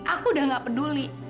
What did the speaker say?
aku udah nggak peduli